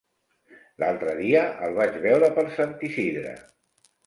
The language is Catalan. L'altre dia el vaig veure per Sant Isidre.